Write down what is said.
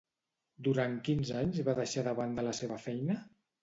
Durant quins anys va deixar de banda la seva feina?